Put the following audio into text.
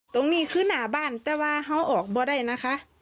ตรงนี้คือหน้าบ้านแต่ว่าเขาออกบ่อได้นะคะ